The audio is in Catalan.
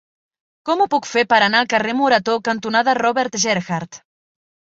Com ho puc fer per anar al carrer Morató cantonada Robert Gerhard?